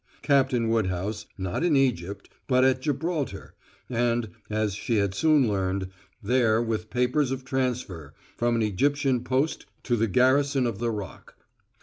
Captain Woodhouse, not in Egypt, but at Gibraltar, and, as she had soon learned, there with papers of transfer from an Egyptian post to the garrison of the Rock.